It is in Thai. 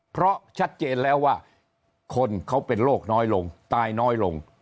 เพราะชัดเจนแล้วว่าคนเขาเป็นโรคน้อยลงตายน้อยลง